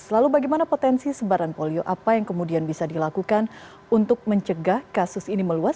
lalu bagaimana potensi sebaran polio apa yang kemudian bisa dilakukan untuk mencegah kasus ini meluas